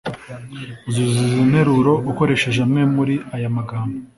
Uzuza izi nteruro ukoresheje amwe muri aya magambo